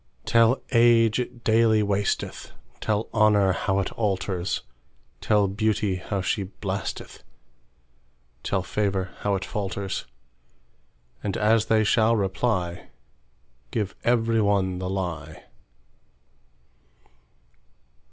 Tell age it daily wasteth; Tell honour how it alters; Tell beauty how she blasteth; Tell favour how it falters:And as they shall reply, Give every one the lie.